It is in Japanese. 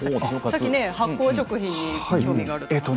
先ほど発酵食品に興味があると。